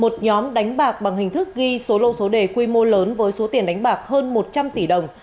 một nhóm đánh bạc bằng hình thức ghi số lô số đề quy mô lớn với số tiền đánh bạc hơn một trăm linh tỷ đồng